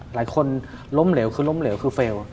หลายคนล้มเหลวคือล้มเหลวคือเฟลล์